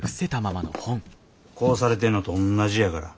こうされてんのとおんなじやから。